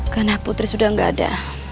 karena putri sudah gak ada